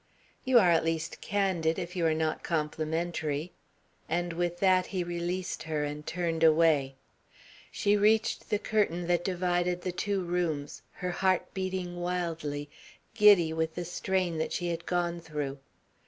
"You are at least candid if you are not complimentary;" and with that he released her and turned away. She reached the curtain that divided the two rooms, her heart beating wildly, giddy with the strain that she had gone through.